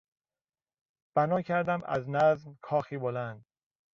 بنا کردم از نظم کاخی بلند...